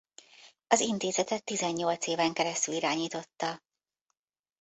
Az intézetet tizennyolc éven keresztül irányította.